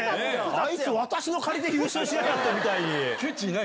あいつ、私の借りて優勝しやがってみたいな。